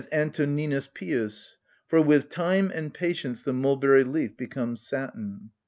Antoninus Pius: for "with time and patience the mulberry leaf becomes satin."